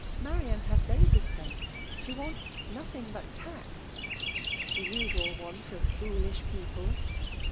Marian has very good sense. She wants nothing but tact." ^" The usual want of foolish people."